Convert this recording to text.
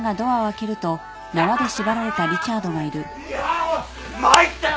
いやぁ参ったよ。